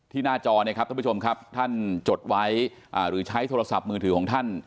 หน้าจอเนี่ยครับท่านผู้ชมครับท่านจดไว้หรือใช้โทรศัพท์มือถือของท่าน